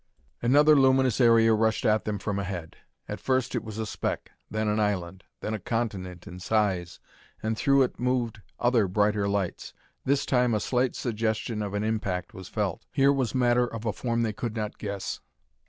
Another luminous area rushed at them from ahead. At first it was a speck, then an island, and then a continent in size, and through it moved other brighter lights. This time a slight suggestion of an impact was felt. Here was matter of a form they could not guess.